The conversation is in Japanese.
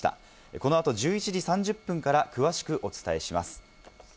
この後１１時３０分から詳しくお伝えします。